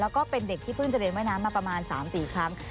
แล้วก็เป็นเด็กที่เพิ่งจะเรียนว่ายน้ำมาประมาณ๓๔ครั้ง